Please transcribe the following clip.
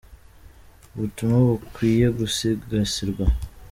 Ubutumwa bukwwiye gusigasirwa.